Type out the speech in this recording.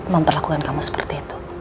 memperlakukan kamu seperti itu